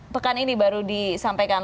pekan ini baru disampaikan